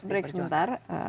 kita break sebentar